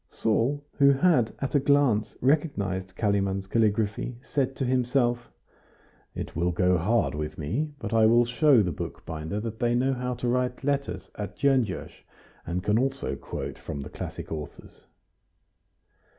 Saul, who had at a glance recognized Kalimann's calligraphy, said to himself: "It will go hard with me but I will show the bookbinder that they know how to write letters at Gyongos, and can also quote from the classic authors."